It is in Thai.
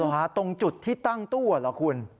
ฮะตรงจุดที่ตั้งตู้เหรอคุณ